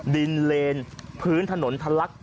เลนพื้นถนนทะลัก